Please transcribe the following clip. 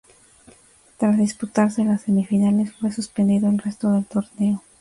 Tras disputarse las semifinales, fue suspendido el resto del torneo.